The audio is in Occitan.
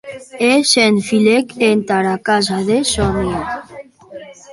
E se filèc entara casa de Sonia.